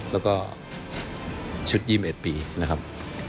แล้วก็ชุด๒๑ปีนะครับ